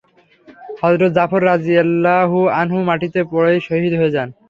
হযরত Jafar রাযিয়াল্লাহু আনহু মাটিতে পড়েই শহীদ হয়ে যান।